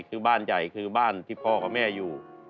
คือบ้านใหญ่คือบ้านที่พ่อกับแม่อยู่